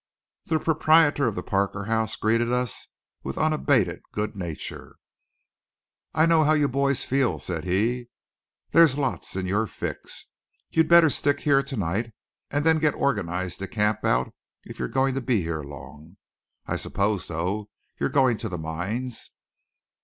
The proprietor of the Parker House greeted us with unabated good nature. "I know how you boys feel," said he. "There's lots in your fix. You'd better stick here to night and then get organized to camp out, if you're going to be here long. I suppose, though, you're going to the mines?